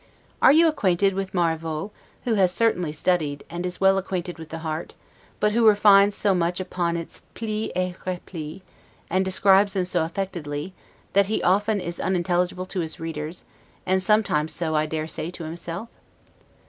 Are you acquainted with Marivaux, who has certainly studied, and is well acquainted with the heart; but who refines so much upon its 'plis et replis', and describes them so affectedly, that he often is unintelligible to his readers, and sometimes so, I dare say, to himself?